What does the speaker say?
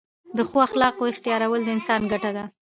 د ښو اخلاقو احتیارول د انسان ګټه ده.